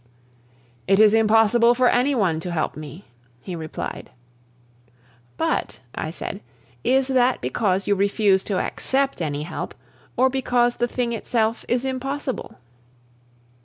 "It is impossible for any one to help me," he replied. "But," I said, "is that because you refuse to accept any help, or because the thing itself is impossible?"